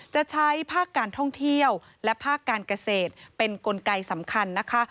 จะใช้ภาคการท่องเที่ยวและภาคการเกษตรเป็นกลไกสำคัญนะคะ